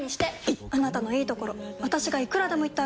いっあなたのいいところ私がいくらでも言ってあげる！